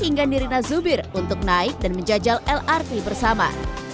hingga nirina zubir untuk naik dan menjajal lrt bersama